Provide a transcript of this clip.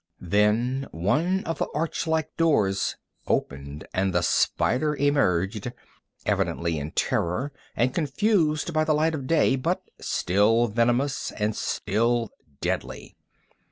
Then one of the archlike doors opened, and the spider emerged, evidently in terror, and confused by the light of day, but still venomous and still deadly.